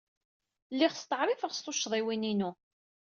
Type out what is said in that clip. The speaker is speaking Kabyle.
Lliɣ steɛṛifeɣ s tuccḍiwin-inu.